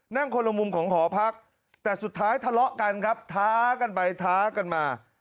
นั่งคนละมุมของหอพักแต่สุดท้ายทะเลาะกันครับท้ากันไปท้ากันมา